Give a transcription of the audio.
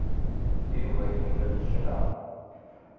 Yuba iḥemmel cna.